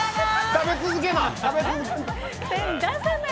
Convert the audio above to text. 食べ続けな。